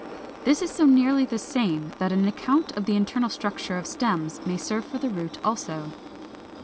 423. This is so nearly the same that an account of the internal structure of stems may serve for the root also.